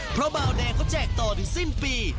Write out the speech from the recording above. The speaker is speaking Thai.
เพราะบาวแดงเขาแจกต่อถึงสิ้นปี